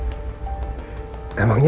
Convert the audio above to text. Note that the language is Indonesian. asli bisa misek ballet au mansa